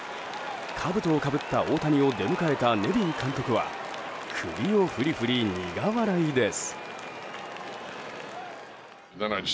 かぶとをかぶった大谷を出迎えたネビン監督は首を振り振り、苦笑いです。